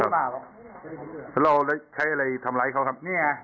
เราใช้อะไรทำอะไรเขาครับ